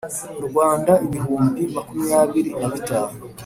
Rwanda ibihumbi makumyabiri na bitanu